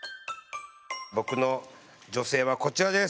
僕の女性はこちらです。